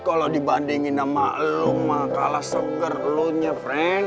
kalau dibandingin sama lu mah kalah seger lu nya frank